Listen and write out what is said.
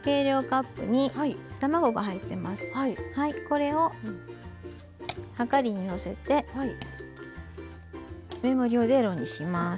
これをはかりにのせて目盛りをゼロにします。